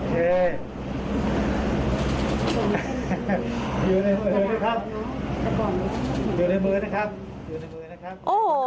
โอ้โฮ